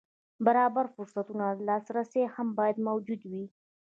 برابر فرصتونو ته لاسرسی هم باید موجود وي.